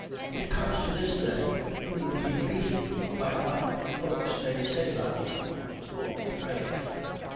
"It comes to this, then, you would be beaten by what folks may say about you. Oh, brave!"